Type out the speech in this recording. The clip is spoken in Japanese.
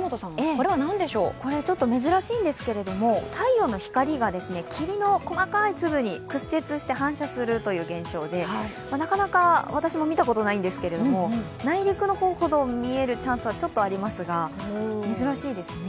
これはちょっと珍しいんですけれども、太陽の光が霧の細かい粒に屈折して反射するという現象でなかなか私も見たことないんですが、内陸の方ほど見えるチャンスはちょっとありますが、珍しいですね。